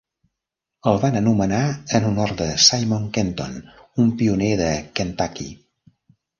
El van anomenar en honor de Simon Kenton, un pioner de Kentucky.